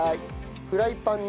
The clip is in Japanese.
フライパンに？